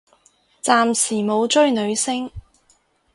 暫時冇追女星